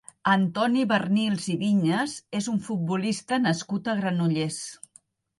Antoni Barnils i Viñas és un futbolista nascut a Granollers.